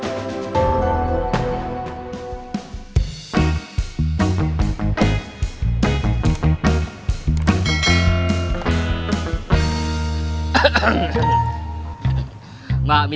masih ada yang mau ngapain